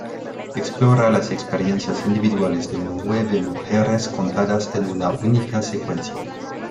Explora las experiencias individuales de nueve mujeres contadas en una única secuencia.